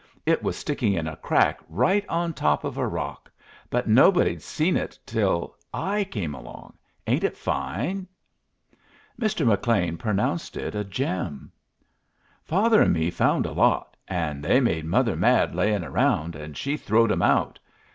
It was sticking in a crack right on top of a rock, but nobody'd seen it till I came along. Ain't it fine?" Mr. McLean pronounced it a gem. "Father an' me found a lot, an' they made mother mad laying around, an' she throwed 'em out.